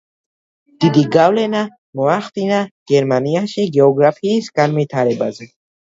დიდი გავლენა მოახდინა გერმანიაში გეოგრაფიის განვითარებაზე.